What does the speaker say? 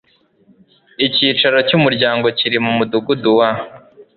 Icyicaro cy Umuryango kiri mu mudugudu wa